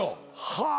はあ。